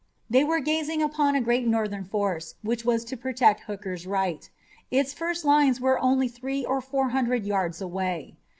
They were gazing upon a great Northern force which was to protect Hooker's right. Its first lines were only three or four hundred yards away.